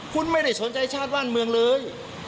คุณไม่ได้สนใจชาติบ้านเมืองเลย